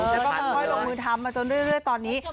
แล้วก็ค่อยลงมือทำมาจนเรื่อยตอนนี้